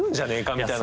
みたいな。